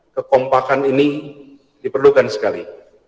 kekompakan ini diperlukan sekali